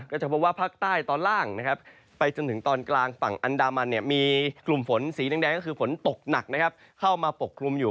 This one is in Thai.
จะพบว่าภาคใต้ตอนล่างนะครับไปจนถึงตอนกลางฝั่งอันดามันมีกลุ่มฝนสีแดงก็คือฝนตกหนักเข้ามาปกคลุมอยู่